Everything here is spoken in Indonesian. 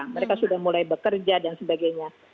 mereka sudah mulai bekerja dan sebagainya